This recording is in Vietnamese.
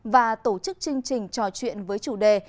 và tổ chức chương trình trò chuyện với chủ đề